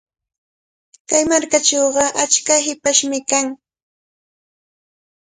Kay markachawqa achka hipashmi kan.